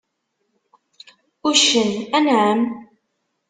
Uccen: Anεam.